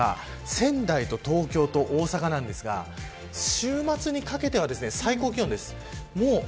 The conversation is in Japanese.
仙台と東京と大阪ですが週末にかけては最高気温です。